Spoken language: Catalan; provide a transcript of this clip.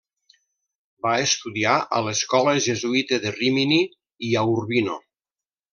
Va estudiar a l'escola jesuïta de Rímini i a Urbino.